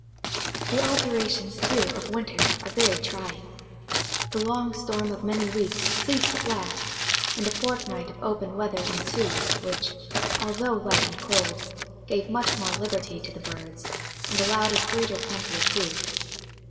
The alternations, too, of winter, are very trying. The long storm of many weeks ceased at last, and a fortnight of open weather ensued, which, although wet and cold, gave much more liberty to the birds, and allowed of greater plenty of food.